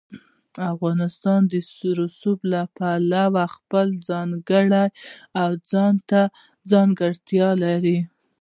افغانستان د رسوب له پلوه خپله ځانګړې او ځانته ځانګړتیا لري.